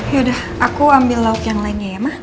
ya udah aku ambil lauk yang lainnya ya ma